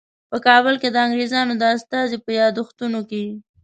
په کابل کې د انګریزانو د استازي په یادښتونو کې.